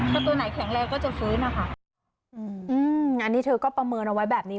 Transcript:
ถ้าตัวไหนแข็งแรงก็จะฟื้นนะคะอืมอันนี้เธอก็ประเมินเอาไว้แบบนี้